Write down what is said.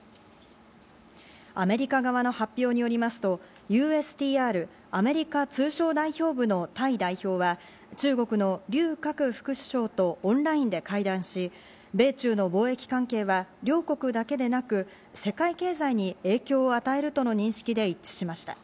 アメリカ側の発表によりますと、ＵＳＴＲ＝アメリカ通商代表部のタイ代表は、中国のリュウ・カク副首相とオンラインで会談し、米中の貿易関係は両国だけでなく、世界経済に影響を与えるとの認識で一致しました。